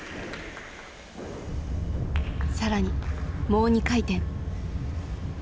更にもう２回転。